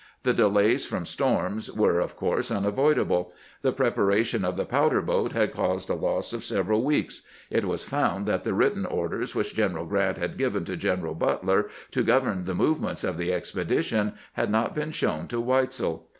The delays from storms were, of course, unavoidable. "The preparation of the powder boat had caused a loss of several weeks. It was found that the written orders which General Grant had given to Gen eral Butler to govern the movements of the expedition had not been shown to Weitzel.